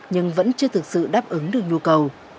nhưng vẫn chưa thực sự đáp ứng được nhu cầu